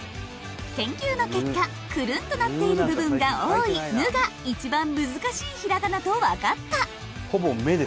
研究の結果くるんとなっている部分が多い「ぬ」がいちばん難しい平仮名とわかった。